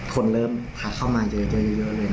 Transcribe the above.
คนเริ่มพาเข้ามาเยอะเลยนะ